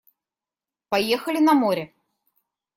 Поехали на море!